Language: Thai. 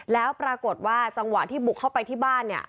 แล้วปรากฏว่าจังหวะที่บุกเข้าไปที่บ้านเนี่ย